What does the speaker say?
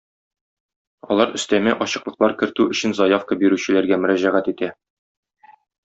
Алар өстәмә ачыклыклар кертү өчен заявка бирүчеләргә мөрәҗәгать итә.